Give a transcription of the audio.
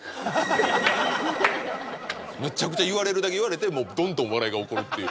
めちゃくちゃ言われるだけ言われてどんどん笑いが起こるっていう。